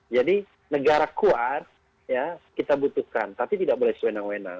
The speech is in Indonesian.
jadi negara kuat kita butuhkan tapi tidak boleh sewenang wenang